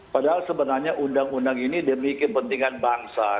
padahal sebenarnya undang undang ini demi kepentingan bangsa